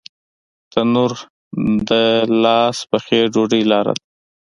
تنور د لاس پخې ډوډۍ لاره ده